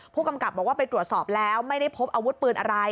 ผู้กำกับบอกว่าไปตรวจสอบแล้วไม่ได้พบอาวุธปืนอะไร